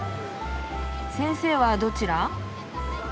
先生はどちら？